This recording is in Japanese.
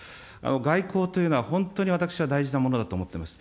外交というのは、本当に私は大事なものだと思ってます。